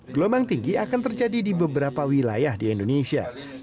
gelombang tinggi akan terjadi di beberapa wilayah di indonesia